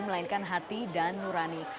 melainkan hati dan nurani